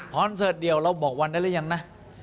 เสิร์ตเดียวเราบอกวันได้หรือยังนะ